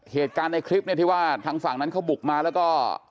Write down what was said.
เหตุการณ์ในคลิปเนี่ยที่ว่าทางฝั่งนั้นเขาบุกมาแล้วก็